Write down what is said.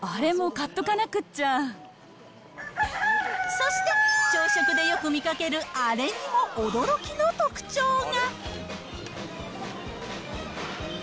そして、朝食でよく見かけるあれにも驚きの特徴が。